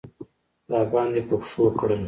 راباندې په پښو کړل.